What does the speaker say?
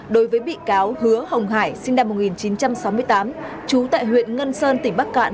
đối với bị cáo hứa hồng hải sinh năm một nghìn chín trăm sáu mươi tám trú tại huyện ngân sơn tỉnh bắc cạn